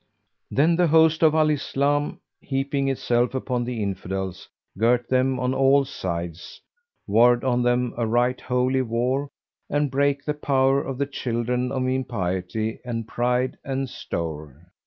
Then the host of Al Islam, heaping itself upon the Infidels, girt them on all sides, warred on them a right Holy War, and brake the power of the children of impiety and pride and stowre.